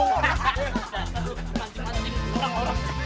nggak kita yang nama salah